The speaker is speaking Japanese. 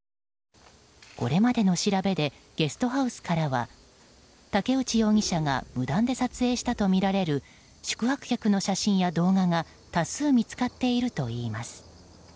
これまでの調べでゲストハウスからは武内容疑者が無断で撮影したとみられる宿泊客の写真や動画が多数見つかっているといいます。